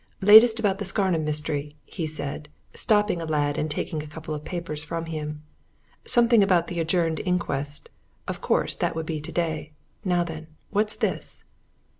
"Latest about the Scarnham mystery," he said, stopping a lad and taking a couple of papers from him. "Something about the adjourned inquest of course that would be today. Now then what's this?"